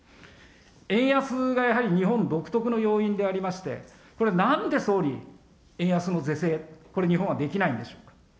円安がやはり日本独特の要因でありまして、これ、なんで総理、円安の是正、これ、日本はできないんでしょうか。